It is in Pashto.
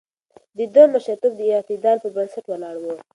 د ده مشرتوب د اعتدال پر بنسټ ولاړ و.